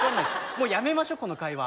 もうやめましょこの会話。